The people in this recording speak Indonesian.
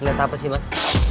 liat apa sih mas